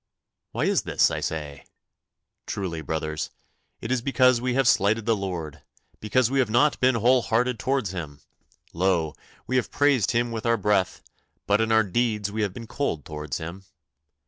Why is this, I say? Truly, brothers, it is because we have slighted the Lord, because we have not been wholehearted towards Him. Lo! we have praised Him with our breath, but in our deeds we have been cold towards Him.